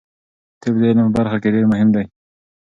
طب د علم په برخه کې ډیر مهم دی.